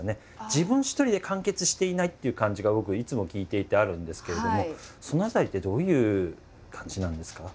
自分一人で完結していないっていう感じが僕いつも聴いていてあるんですけれどもその辺りってどういう感じなんですか？